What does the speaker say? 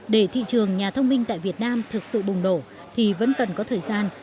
để thị trường nhà thông minh tại việt nam thực sự bùng đổ thì vẫn cần có thời gian